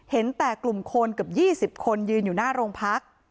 เห็นแต่กลุ่มคนเกือบ๒๐คนยืนอยู่หน้าโรงพัก